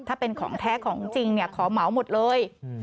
ถ้าเป็นของแท้ของจริงขอเหมาหมดเลย